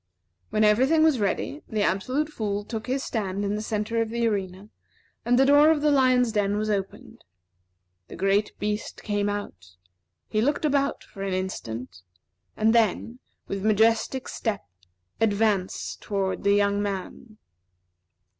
When every thing was ready, the Absolute Fool took his stand in the centre of the arena, and the door of the lion's den was opened. The great beast came out, he looked about for an instant, and then, with majestic step, advanced toward the young man.